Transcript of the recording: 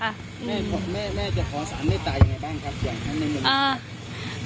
แม่จะขอสารเมตตายังไงบ้างครับอย่างทั้งในมือ